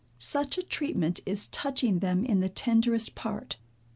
Such a treatment is touching them in the tenderest part.